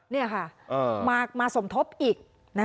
นี่ค่ะมาสมทบอีก